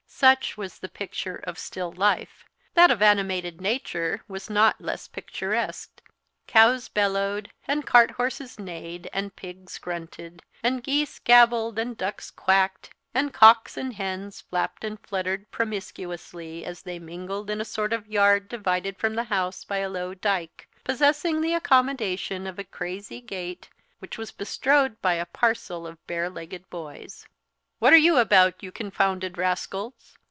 Such was the picture of still life. That of animated nature was not less picturesque. Cows bellowed, and cart horses neighed, and pigs grunted, and geese gabbled, and ducks quacked, and cocks and hens flapped and fluttered promiscuously, as they mingled in a sort of yard divided from the house by a low dyke, possessing the accommodation of a crazy gate, which was bestrode by a parcel of bare legged boys. "What are you about, you confounded rascals?"